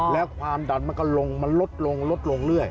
แล้วความดันมันก็ลงมันลดลงลดลงเรื่อย